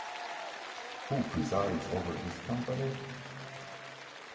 Who presides over this company?